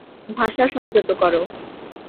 ভাষা সংযত কর।